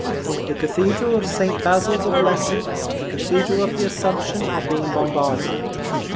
The Cathedral of St. Basil the Blessed, the Cathedral of the Assumption, are being bombarded.